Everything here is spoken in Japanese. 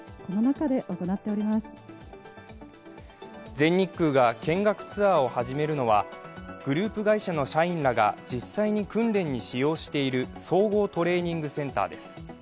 全日空が見学ツアーを始めるのはグループ会社の社員らが実際に訓練に使用している総合トレーニングセンターです。